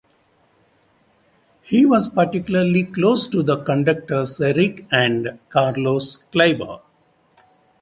He was particularly close to the conductors Erich and Carlos Kleiber.